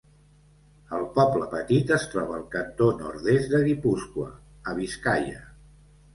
El poble petit es troba al cantó nord-est de Guipúscoa, a Biscaia.